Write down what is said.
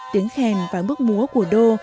tiếng khen và bước múa của đô